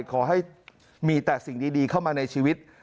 ขอให้มีแต่สิ่งดีเข้ามาในชีวิต